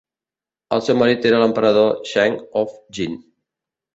El seu marit era l'emperador Cheng of Jin.